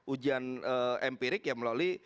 ujian empirik ya melalui